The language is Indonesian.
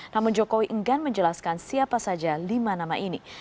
namun jokowi enggan menjelaskan siapa saja lima nama ini